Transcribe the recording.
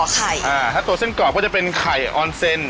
ถ้าตัวเส้นกรอบก็จะเป็นไข่ออนเซน